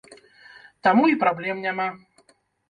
Таму і праблем няма.